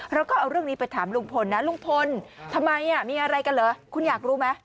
เราก็เอาเรื่องนี้ไปถามลุงพลนะลุงพลทำไมมีอะไรกันเหรอคุณอยากรู้ไหม